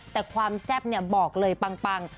แต่ความแซ่บเนี่ยบอกเลยปัง